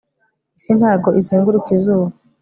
isi ntago izenguruka izuba